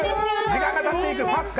時間が経っていく。